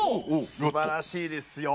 すばらしいですよ。